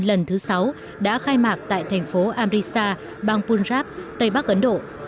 lần thứ sáu đã khai mạc tại thành phố amrisa bang punjab tây bắc ấn độ